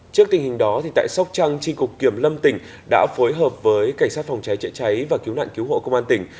trước tình hình đó tại sóc trăng trinh cục kiểm lâm tỉnh đã phối hợp với cảnh sát phòng cháy chữa cháy và cứu nạn cứu hộ công an tỉnh